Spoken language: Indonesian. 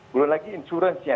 belum lagi insurans nya